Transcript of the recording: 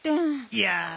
いや。